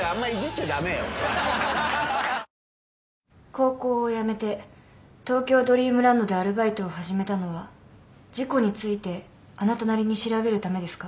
高校を辞めて東京ドリームランドでアルバイトを始めたのは事故についてあなたなりに調べるためですか？